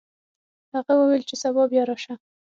هغه وویل چې سبا بیا راشه.